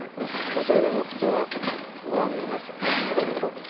それでも普通は碁盤見ますよね。